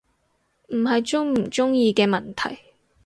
唔係鍾唔鍾意嘅問題